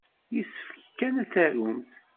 Yessefk kan ad tarumt.